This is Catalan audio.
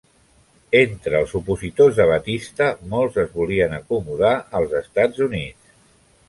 Entre els opositors de Batista, molts es volien acomodar als Estats Units.